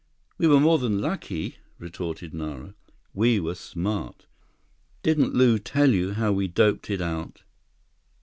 "We were more than lucky," retorted Nara. "We were smart. Didn't Lew tell you how we doped it out?"